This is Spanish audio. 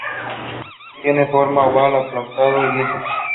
Tiene forma oval, aplastado y liso.